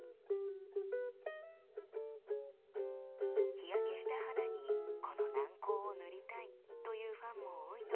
日焼けした肌にこの軟膏を塗りたいというファンも多いとか。